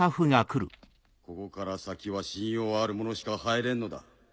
ここから先は信用ある者しか入れんのだ。